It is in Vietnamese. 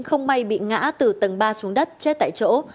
không may bị ngã từ tầng ba xuống đất chết tại chỗ